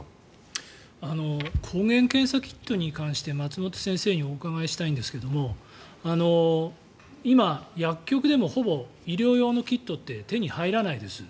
抗原検査キットに関して松本先生にお伺いしたいんですけど今、薬局でもほぼ医療用のキットって手に入らないです。